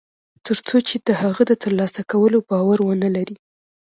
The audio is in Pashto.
تر څو چې د هغه د تر لاسه کولو باور و نهلري